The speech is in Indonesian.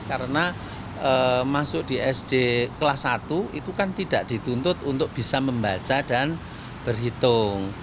karena masuk di sd kelas satu itu kan tidak dituntut untuk bisa membaca dan berhitung